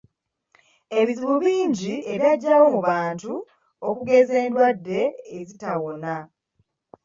Ebizibu ebingi ebyajjawo mu bantu okugeza endwadde ezitawona.